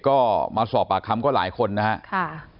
ก็มาสอบปากคำก็หลายคนนะครับ